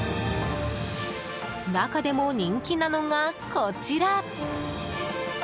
中でも人気なのがこちら。